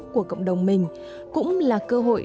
của cộng đồng mình cũng là cơ hội